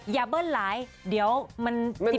อย่าเบิ้ลหลายเดี๋ยวมันสิบพลาด